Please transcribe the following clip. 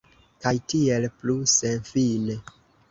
Kaj tiel plu, senfine.